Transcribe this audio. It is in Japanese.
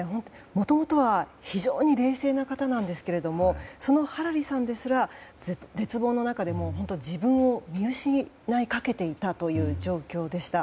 もともとは非常に冷静な方なんですがそのハラリさんですら絶望の中で本当に自分を見失いかけていた状況でした。